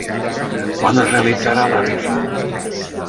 Quan es realitzarà la rifa?